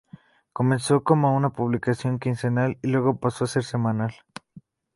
Comenzó como una publicación quincenal, y luego pasó a ser semanal.